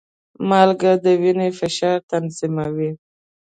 مالګه د وینې فشار تنظیموي.